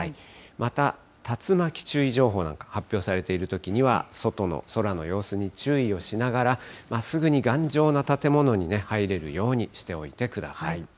また、竜巻注意情報なんかが発表されているときには、外の空の様子に注意をしながら、すぐに頑丈な建物に入れるようにしておいてください。